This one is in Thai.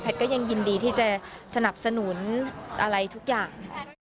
ก็ยังยินดีที่จะสนับสนุนอะไรทุกอย่าง